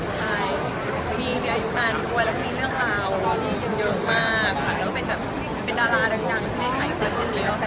ใช่มีอายุนานด้วยแล้วมีเรื่องราวเยอะมากแล้วก็เป็นดาราดังไม่ใส่กันสิ้นที